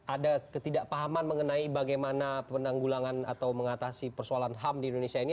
ada ketidakpahaman mengenai bagaimana penanggulangan atau mengatasi persoalan ham di indonesia ini